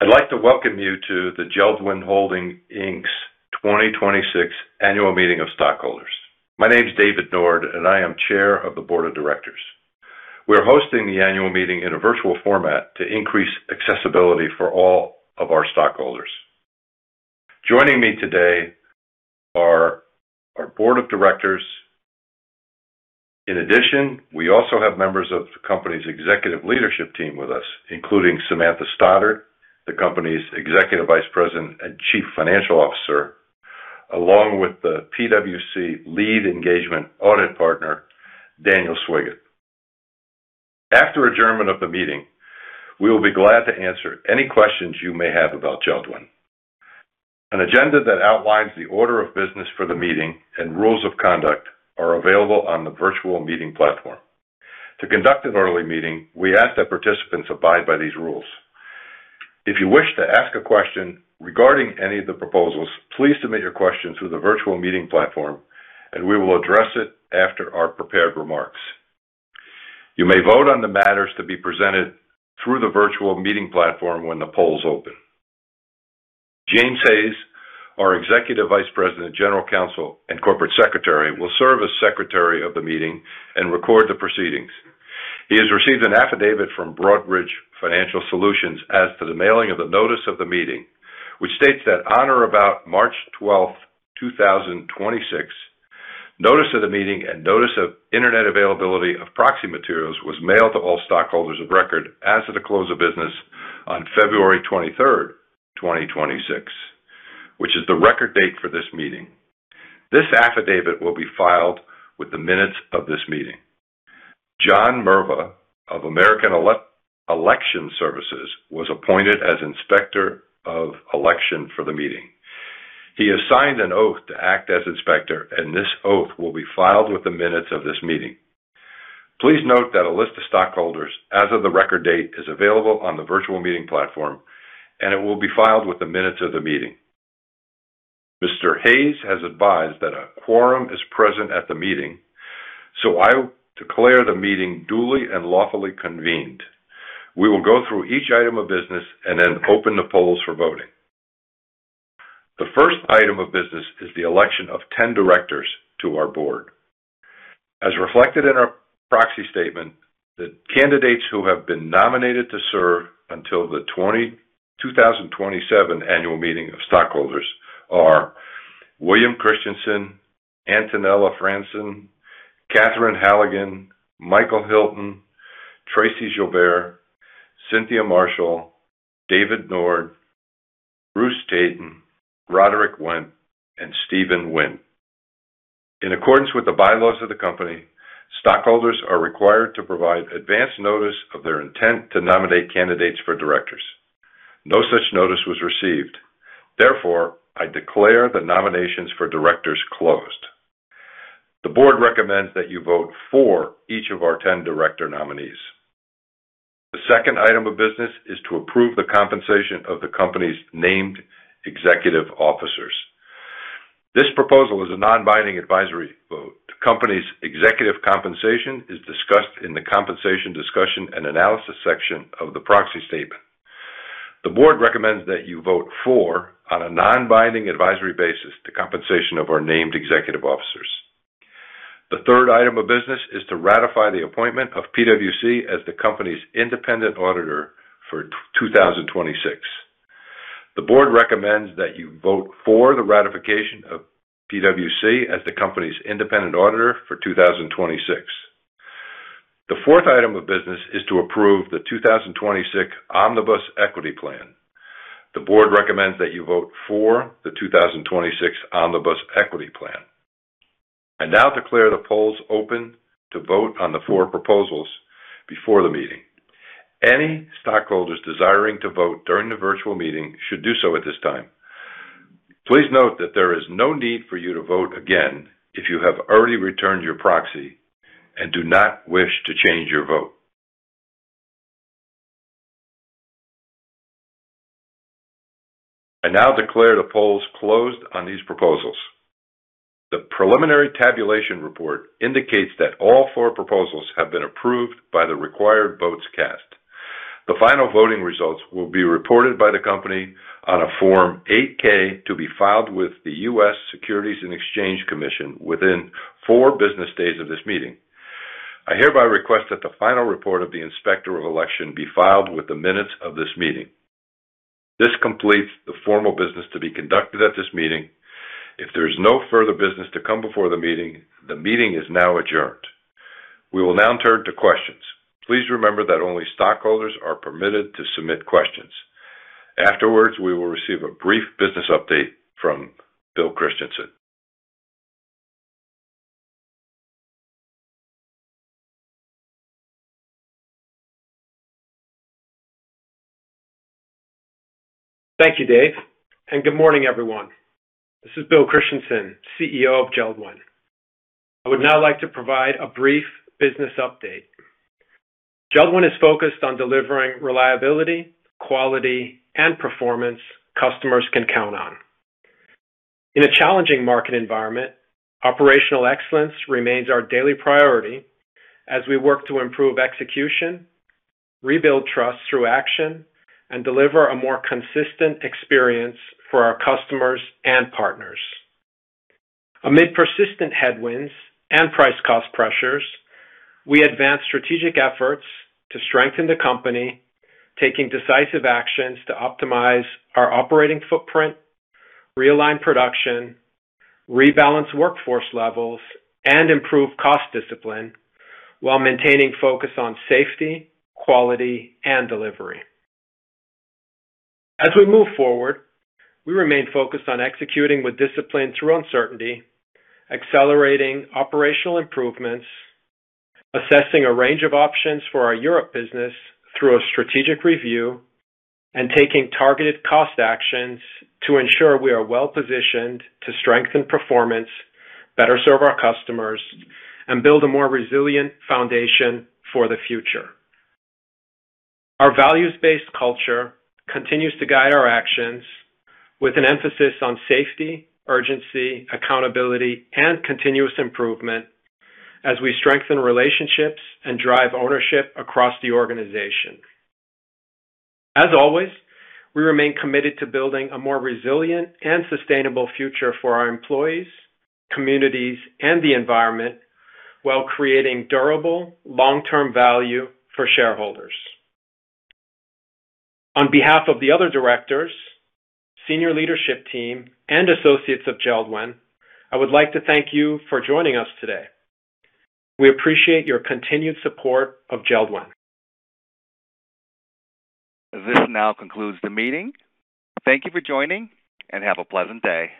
I'd like to welcome you to the JELD-WEN Holding, Inc.'s 2026 Annual Meeting of Stockholders. My name is David Nord, and I am Chair of the Board of Directors. We're hosting the annual meeting in a virtual format to increase accessibility for all of our stockholders. Joining me today are our board of directors. In addition, we also have members of the company's executive leadership team with us, including Samantha Stoddard, the company's Executive Vice President and Chief Financial Officer, along with the PwC Lead Engagement Audit Partner, Daniel Swigut. After adjournment of the meeting, we will be glad to answer any questions you may have about JELD-WEN. An agenda that outlines the order of business for the meeting and rules of conduct are available on the virtual meeting platform. To conduct an orderly meeting, we ask that participants abide by these rules. If you wish to ask a question regarding any of the proposals, please submit your question through the virtual meeting platform, and we will address it after our prepared remarks. You may vote on the matters to be presented through the virtual meeting platform when the polls open. Jas Hayes, our Executive Vice President, General Counsel, and Corporate Secretary, will serve as Secretary of the meeting and record the proceedings. He has received an affidavit from Broadridge Financial Solutions as to the mailing of the notice of the meeting, which states that on or about March 12th, 2026, notice of the meeting and notice of Internet availability of proxy materials was mailed to all stockholders of record as of the close of business on February 23rd, 2026, which is the record date for this meeting. This affidavit will be filed with the minutes of this meeting. John Mirva of American Election Services was appointed as Inspector of Election for the meeting. He has signed an oath to act as inspector, and this oath will be filed with the minutes of this meeting. Please note that a list of stockholders as of the record date is available on the virtual meeting platform, and it will be filed with the minutes of the meeting. Mr. Hayes has advised that a quorum is present at the meeting, so I declare the meeting duly and lawfully convened. We will go through each item of business and then open the polls for voting. The first item of business is the election of 10 directors to our board. As reflected in our proxy statement, the candidates who have been nominated to serve until the 2027 annual meeting of stockholders are William Christensen, Antonella Franzen, Catherine Halligan, Michael Hilton, Tracey Joubert, Cynthia Marshall, David Nord, Bruce Taten, Roderick Wendt, and Steven Wynne. In accordance with the bylaws of the company, stockholders are required to provide advance notice of their intent to nominate candidates for directors. No such notice was received. Therefore, I declare the nominations for directors closed. The board recommends that you vote for each of our 10 director nominees. The second item of business is to approve the compensation of the company's named executive officers. This proposal is a non-binding advisory vote. The company's executive compensation is discussed in the compensation discussion and analysis section of the proxy statement. The board recommends that you vote for, on a non-binding, advisory basis, the compensation of our named executive officers. The third item of business is to ratify the appointment of PwC as the company's independent auditor for 2026. The board recommends that you vote for the ratification of PwC as the company's independent auditor for 2026. The fourth item of business is to approve the 2026 Omnibus Equity Plan. The board recommends that you vote for the 2026 Omnibus Equity Plan. I now declare the polls open to vote on the four proposals before the meeting. Any stockholders desiring to vote during the virtual meeting should do so at this time. Please note that there is no need for you to vote again if you have already returned your proxy and do not wish to change your vote. I now declare the polls closed on these proposals. The preliminary tabulation report indicates that all four proposals have been approved by the required votes cast. The final voting results will be reported by the company on a Form 8-K to be filed with the U.S. Securities and Exchange Commission within four business days of this meeting. I hereby request that the final report of the Inspector of Election be filed with the minutes of this meeting. This completes the formal business to be conducted at this meeting. If there is no further business to come before the meeting, the meeting is now adjourned. We will now turn to questions. Please remember that only stockholders are permitted to submit questions. Afterwards, we will receive a brief business update from Bill Christensen. Thank you, Dave, and good morning, everyone. This is Bill Christensen, CEO of JELD-WEN. I would now like to provide a brief business update. JELD-WEN is focused on delivering reliability, quality, and performance customers can count on. In a challenging market environment, operational excellence remains our daily priority as we work to improve execution, rebuild trust through action, and deliver a more consistent experience for our customers and partners. Amid persistent headwinds and price cost pressures, we advanced strategic efforts to strengthen the company, taking decisive actions to optimize our operating footprint, realign production, rebalance workforce levels, and improve cost discipline while maintaining focus on safety, quality, and delivery. As we move forward, we remain focused on executing with discipline through uncertainty, accelerating operational improvements, assessing a range of options for our Europe business through a strategic review, and taking targeted cost actions to ensure we are well-positioned to strengthen performance, better serve our customers, and build a more resilient foundation for the future. Our values-based culture continues to guide our actions with an emphasis on safety, urgency, accountability, and continuous improvement as we strengthen relationships and drive ownership across the organization. As always, we remain committed to building a more resilient and sustainable future for our employees, communities, and the environment while creating durable, long-term value for shareholders. On behalf of the other directors, senior leadership team, and associates of JELD-WEN, I would like to thank you for joining us today. We appreciate your continued support of JELD-WEN. This now concludes the meeting. Thank you for joining, and have a pleasant day.